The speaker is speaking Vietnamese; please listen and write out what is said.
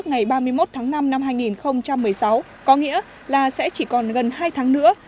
ngày ba mươi một tháng năm năm hai nghìn một mươi sáu có nghĩa là sẽ chỉ còn gần hai tháng nữa